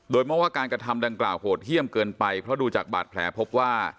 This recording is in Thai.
โดยมองว่าการกระทำดังกล่าวโหดเยี่ยมเกินไปเพราะดูจากบาดแผลพบว่า